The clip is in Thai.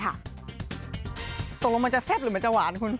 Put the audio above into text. ตกลงมันจะแซ่บหรือมันจะหวานคุณ